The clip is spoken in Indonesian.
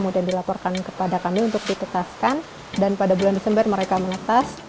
dan dilaporkan kepada kami untuk ditetaskan dan pada bulan desember mereka menetas